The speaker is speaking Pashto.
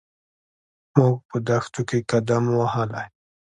موږ په دښتو کې قدم وهلی.